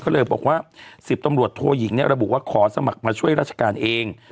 ก็เลยบอกว่า๑๐ตำรวจโทยิงระบุว่าขอสมัครมาช่วยราชการเอง